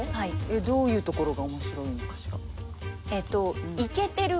どういうところが面白いのかしら？